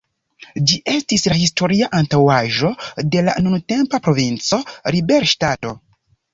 Ĝi estis la historia antaŭaĵo de la nuntempa Provinco Liberŝtato.